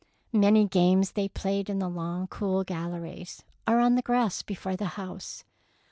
Many games they played in the long, cool galleries, or on the grass before the house.